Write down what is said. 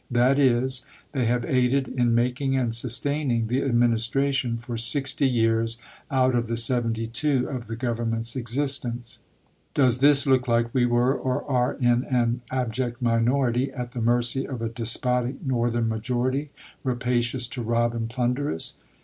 That is, they have aided in making and sustaining the administration for sixty years out of the seventy two of the government's existence. Does this look like we were or are in an abject minority at the mercy of a despotic Northern majority, rapacious to rob and plunder us